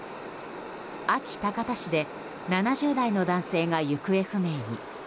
安芸高田市で７０代の男性が行方不明に。